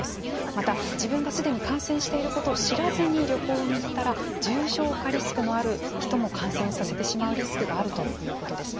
また自分がすでに感染していることを知らずに旅行に行ったら重症化リスクをある人も感染させてしまうリスクがあるということです。